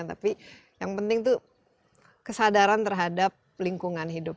tapi yang penting itu kesadaran terhadap lingkungan hidup